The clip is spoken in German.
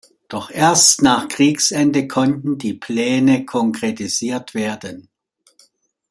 Doch erst nach Kriegsende konnten die Pläne konkretisiert werden.